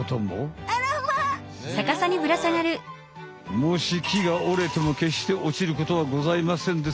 もし木が折れてもけっして落ちることはございませんです